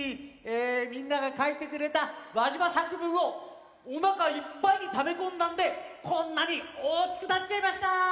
みんながかいてくれたわじま作文をおなかいっぱいにためこんだんでこんなにおおきくなっちゃいました！